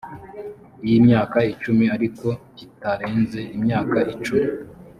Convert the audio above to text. y imyaka icumi ariko kitarenze imyaka cumi